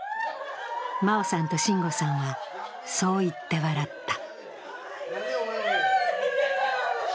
茉緒さんと真悟さんはそう言って笑った。